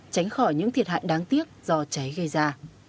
tránh khỏi những thiệt hại đáng tiếc do cháy gây ra